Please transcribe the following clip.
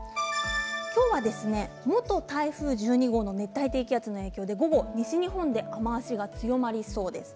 今日はもっと台風１２号の熱帯低気圧の影響で午後西日本で雨足が強まりそうです。